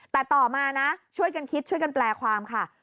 แต่ต่อมานะช่วยกันคิดช่วยกันแปลความค่ะ